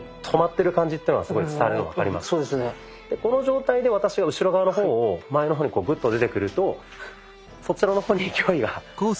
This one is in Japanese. この状態で私が後ろ側の方を前の方にグッと出てくるとそちらの方に勢いが。